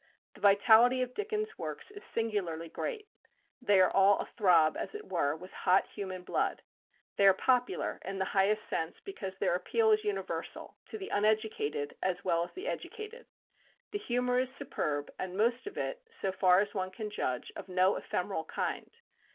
The vitality of Dickens' works is singularly great. They are all a throb, as it were, with hot human blood. They are popular in the highest sense because their appeal is universal, to the uneducated as well as the educated. The humour is superb, and most of it, so far as one can judge, of no ephemeral kind.